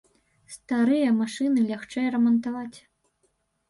Старыя машыны лягчэй рамантаваць.